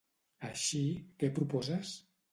Així, què proposes?